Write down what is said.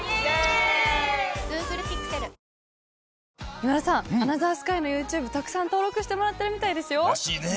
今田さん『アナザースカイ』のＹｏｕＴｕｂｅたくさん登録してもらってるみたいですよ。らしいね。